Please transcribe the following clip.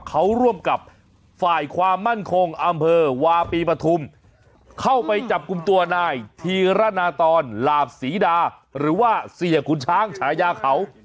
เขาร่วมกับฝ่ายความมั่นคงอำเภอวาปีปฐุมเข้าไปจับกลุ่มตัวนายธีรณาตอนหลาบศรีดาหรือว่าเสียขุนช้างฉายาเขา